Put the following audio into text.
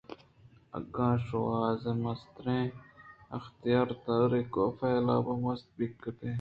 اگاں شوازرءَ مستر ءُاختیاردارانءَ کاف ءِحلاپ ءَ مست مہ کُتیں